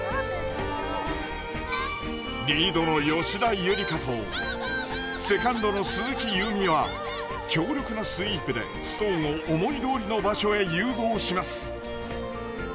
リードの吉田夕梨花とセカンドの鈴木夕湖は強力なスイープでストーンを思いどおりの場所へ誘導します。